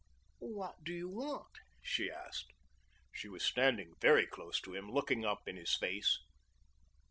"What do you want?" she asked. She was standing very close to him, looking up in his face.